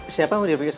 siapa yang mau diurusin